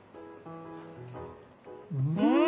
うん！